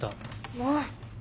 もう！